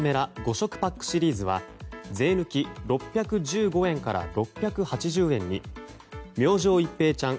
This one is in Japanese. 食パックシリーズは税抜き６１５円から６８０円に明星一平ちゃん